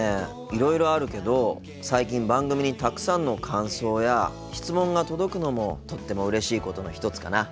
いろいろあるけど最近番組にたくさんの感想や質問が届くのもとってもうれしいことの一つかな。